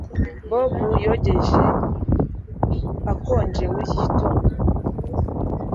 Bobo yogeje akonje muri iki gitondo